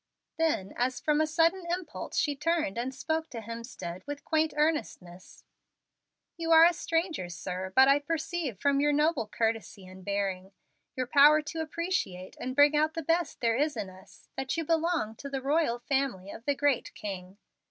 Then, as from a sudden impulse, she turned and spoke to Hemstead with quaint earnestness: "You are a stranger, sir, but I perceive from your noble courtesy and bearing your power to appreciate and bring out the best there is in us that you belong to the royal family of the Great King.